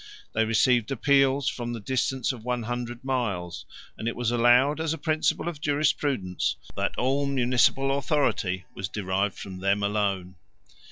They received appeals from the distance of one hundred miles; and it was allowed as a principle of jurisprudence, that all municipal authority was derived from them alone.